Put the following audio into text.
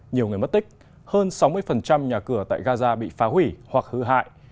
nhiều người mất tích hơn sáu mươi nhà cửa tại gaza bị phá hủy hoặc hư hại